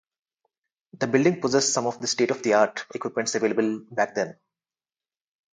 The building possessed some of the state-of-the-art equipments available back then.